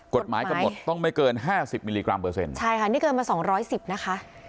กฎหมายกำหนดต้องไม่เกินห้าสิบมิลลิกรัมเปอร์เซ็นใช่ค่ะนี่เกินมาสองร้อยสิบนะคะ